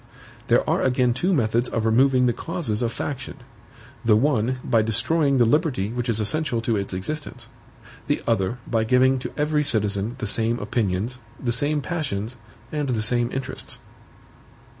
There are again two methods of removing the causes of faction: the one, by destroying the liberty which is essential to its existence; the other, by giving to every citizen the same opinions, the same passions, and the same interests.